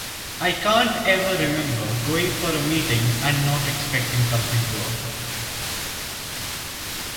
I can't ever remember going for a meeting and not expecting something to occur.